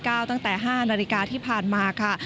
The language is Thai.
ตั้งแต่๕นาฬิกาที่ผ่านมาค่ะ